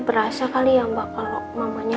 berasa kali ya mbak kalau mamanya